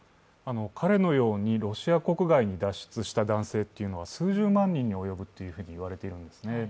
彼のようにロシア国外に脱出した男性は数十万人に及ぶと言われているんですね。